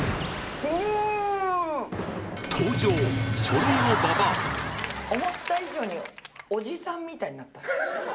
登場、思った以上におじさんみたい